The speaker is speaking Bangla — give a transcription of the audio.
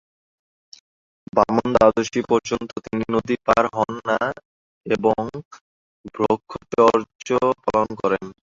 বামন দ্বাদশী পর্যন্ত তিনি নদী পার হন না এবং ব্রহ্মচর্য পালন করেন।